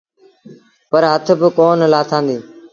پر هٿ با ڪونا لآٿآݩدي۔